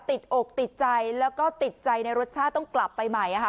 ติดอกติดใจแล้วก็ติดใจในรสชาติต้องกลับไปใหม่ค่ะ